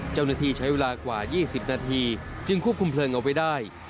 เจ้าหน้าที่ใช้เวลากว่า๒๐นาทีจึงควบคุมเพลิงเอาไว้ได้